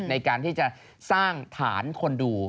ในการที่จะสร้างฐานคนดู